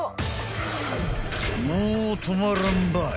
［もう止まらんばい］